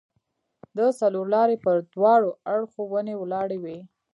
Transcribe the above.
د څلورلارې پر دواړو اړخو ونې ولاړې وې.